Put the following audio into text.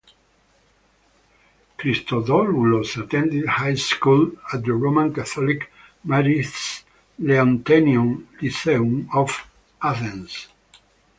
Christodoulos attended high school at the Roman Catholic Marist Leonteion Lyceum of Athens.